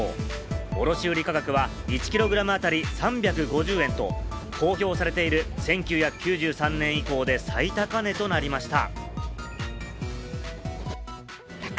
卸売価格は１キログラム当たり３５０円と、公表されている１９９３年以降で最高値となりました。